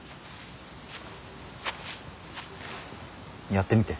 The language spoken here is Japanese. やってみて。